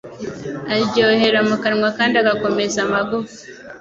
aryohera mu kanwa kandi agakomeza amagufa